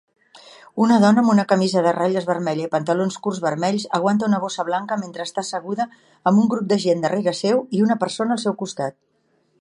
Una dona amb una camisa de ratlles vermella i pantalons curts vermells aguanta una bossa blanca mentre està asseguda amb un grup de gent darrere seu i una persona al seu costat